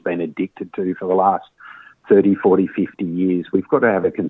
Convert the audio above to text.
yang australia telah mengalami selama tiga puluh empat puluh lima puluh tahun